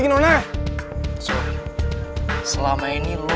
k darek gitu